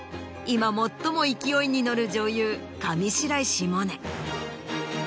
今最も勢いに乗る女優上白石萌音。